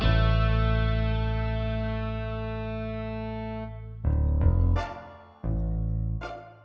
saya juga tidak akan lengkapi